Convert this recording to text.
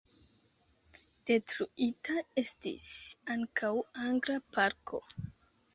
Detruita estis ankaŭ angla parko.